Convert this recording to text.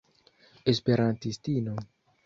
esperantistino